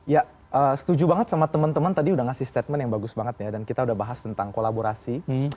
ya setuju banget sama teman teman tadi udah ngasih statement yang bagus banget ya dan kita udah bahas tentang kolaborasi